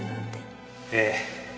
ええ。